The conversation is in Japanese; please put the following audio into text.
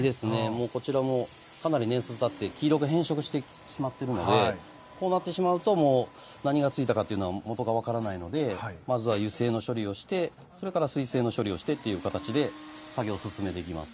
こちらもかなり年数たって黄色く変色してしまってるのでこうなってしまうと何がついたかというのは元が分からないのでまずは油性の処理をしてそれから水性の処理をしてという形で作業を進めていきます。